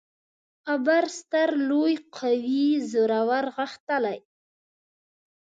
ابر: ستر ، لوی ، قوي، زورور، غښتلی